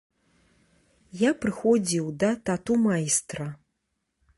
Я прыходзіў да тату-майстра.